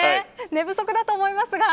寝不足だと思いますが。